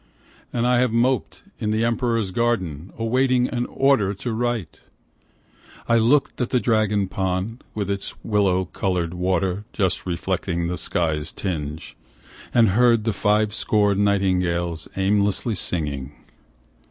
And I have moped in the Emperor's garden, awaiting an order to write ! I looked at the dragon pond, with its willow coloured water Just reflecting the sky's tinge, And heard the five score nightingales aimlessly singing.